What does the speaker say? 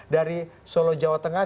dari solo jawa tengah